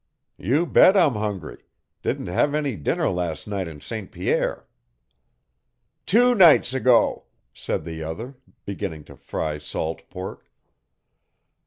"You bet I'm hungry; didn't have any dinner last night in St. Pierre." "Two nights ago," said the other, beginning to fry salt pork.